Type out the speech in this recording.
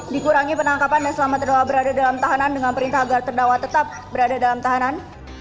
dikurangi penangkapan dan selamat terdakwa berada dalam tahanan dengan perintah agar terdakwa tetap berada dalam tahanan